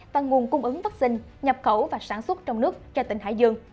và nguồn cung ứng vaccine nhập khẩu và sản xuất trong nước cho tỉnh hải dương